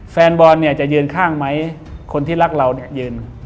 แฟนบอลจะยืนข้างไหมคนที่รักเรายืน